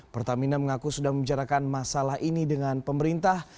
pertamina mengaku sudah membicarakan masalah ini dengan pemerintah